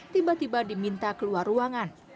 tiba tiba diminta keluar ruangan